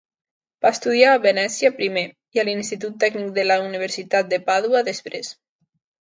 Estudià a Venècia, primer, i a l'Institut Tècnic de la universitat de Pàdua, després.